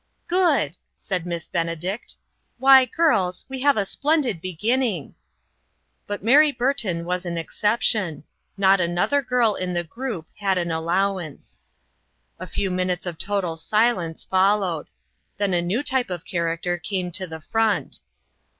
" Good !" said Miss Benedict. " Why, girls, we have a splendid beginning." But Mary Burton was an exception ; not another girl in the group had an allowance. " OUR CHURCH. IO3 A few minutes of total silence followed ; then a new type of character came to the front.